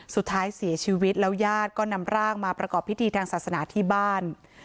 สุดท้ายเสียชีวิตแล้วญาติก็นำร่างมาประกอบพิธีทางศาสนาที่บ้าน